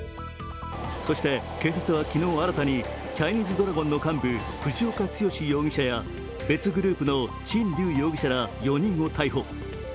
そして警察は昨日新たにチャイニーズドラゴンの幹部藤岡剛容疑者や別グループの陳龍容疑者ら４人を逮捕。